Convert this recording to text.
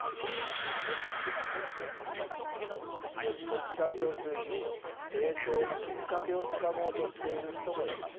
特撮を通じ、成長のきっかけをつかもうとしている人もいます。